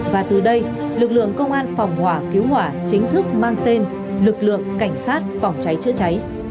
và từ đây lực lượng công an phòng hỏa cứu hỏa chính thức mang tên lực lượng cảnh sát phòng cháy chữa cháy